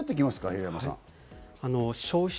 平山さん。